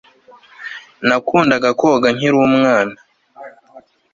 Nakundaga koga cyane nkiri umwana